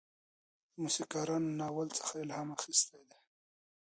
موسیقارانو له ناول څخه الهام اخیستی دی.